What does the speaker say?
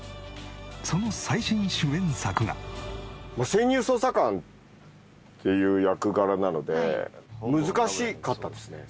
その最新主演作が。っていう役柄なので難しかったですね。